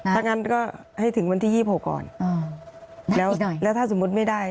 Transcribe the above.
ถ้างั้นก็ให้ถึงวันที่๒๖ก่อนแล้วแล้วถ้าสมมุติไม่ได้